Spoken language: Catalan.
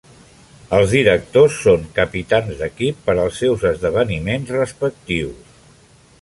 Els directors són capitans d'equip per als seus esdeveniments respectius.